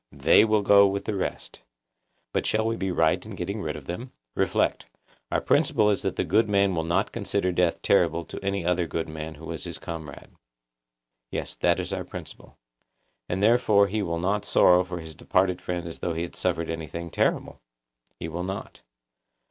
They will go with the rest. But shall we be right in getting rid of them? Reflect: our principle is that the good man will not consider death terrible to any other good man who is his comrade. Yes; that is our principle. And therefore he will not sorrow for his departed friend as though he had suffered anything terrible? He will not.